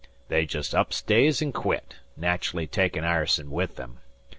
They jest up stays'l an' quit, nat'rally takin' Ireson with 'em.